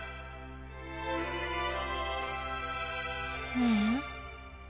ねえ？